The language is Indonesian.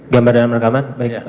gambar dalam rekaman